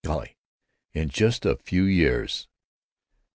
Golly! In just a few years!"